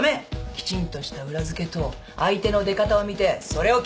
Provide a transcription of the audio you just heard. きちんとした裏付けと相手の出方を見てそれを切り出すタイミング。